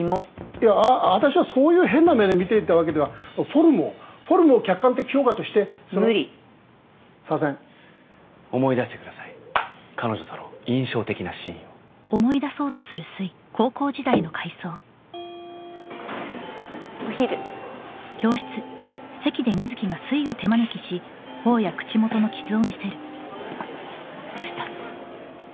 いや私はそういう変な目で見ていたわけではフォルムをフォルムを客観的評価として無理すいません思い出してください彼女との印象的なシーンをお昼どうしたの？